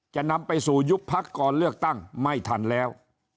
จะนำไปสู่ยุบพักก่อนเลือกตั้งไม่ทันแล้ว